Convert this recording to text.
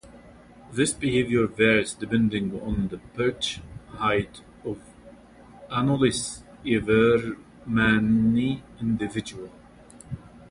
This behavior varies depending on the perch height of the "Anolis evermanni" individual.